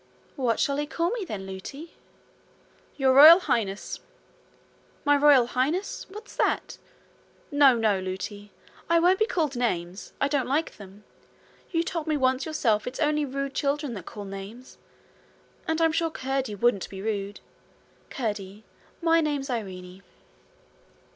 'What shall he call me, then, Lootie?' 'Your Royal Highness.' 'My Royal Highness! What's that? No, no, Lootie. I won't be called names. I don't like them. You told me once yourself it's only rude children that call names; and I'm sure Curdie wouldn't be rude. Curdie, my name's Irene.'